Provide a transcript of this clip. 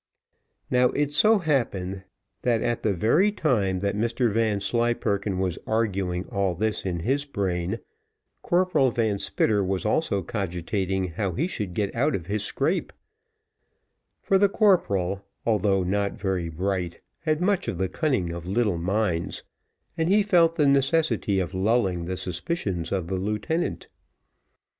Now, it so happened, that at the very time that Mr Vanslyperken was arguing all this in his brain, Corporal Van Spitter was also cogitating how he should get out of his scrape; for the Corporal, although not very bright, had much of the cunning of little minds, and he felt the necessity of lulling the suspicions of the lieutenant.